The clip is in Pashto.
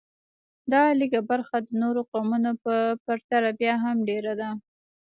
دا لږه برخه د نورو قومونو په پرتله بیا هم ډېره ده